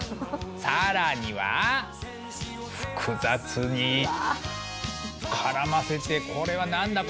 更には複雑に絡ませてこれは何だ？